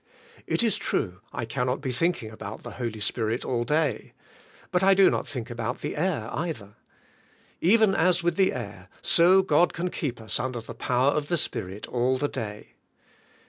It is true, I cannot be thinking about the Holy Spirit all day. But I do not think about the air either. Kven as with the air, so God ca.n keep us under the power of the Spirit all the day.